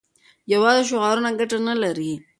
یوازې شعارونه ګټه نه لري.